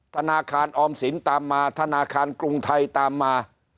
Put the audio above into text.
ธนาคารออมสินตามมาธนาคารกรุงไทยตามมา